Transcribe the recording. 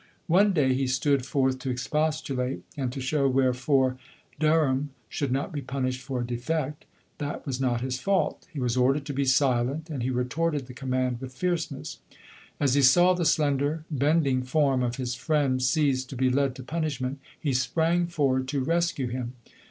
One day, he stood forth to expostulate, and to show wherefore Derham should not be punished for a defect, that was not his fault. He was ordered to be silent, and he retorted the command with iierceness. As he saw the slender, bending form of his friend seized to be led to punishment, he sprang forward to rescue him.